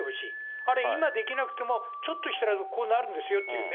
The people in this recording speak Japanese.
あれ、今できなくてもちょっとしたらこうなるんですよっていうね。